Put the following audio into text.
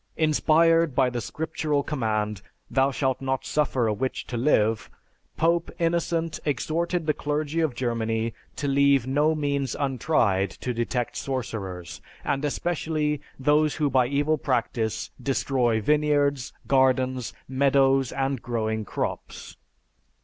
Inspired by the scriptural command, 'Thou shalt not suffer a witch to live,' Pope Innocent exhorted the clergy of Germany to leave no means untried to detect sorcerers, and especially, those who by evil practice destroy vineyards, gardens, meadows, and growing crops.